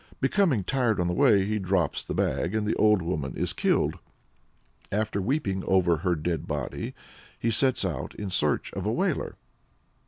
Becoming tired on the way, he drops the bag, and the old woman is killed. After weeping over her dead body he sets out in search of a Wailer.